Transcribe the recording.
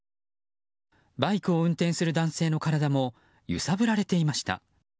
バイクを運転する男性の体も揺さぶられていました。